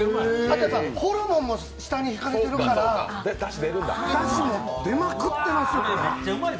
ホルモンも下に敷かれてるからだしも出まくってますね。